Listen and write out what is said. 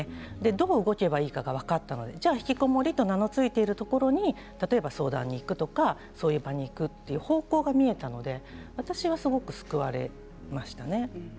どうやって動けばいいかが分かったのでひきこもりって名前が付いているところに相談に行くとかそういう場に行くという方向が見えたので私はすごく救われました。